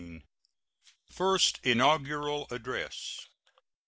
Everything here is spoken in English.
FIRST INAUGURAL ADDRESS.